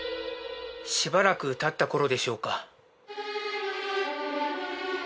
しばらく経った頃でしょうか。